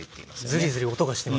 ズリズリ音がしてますね。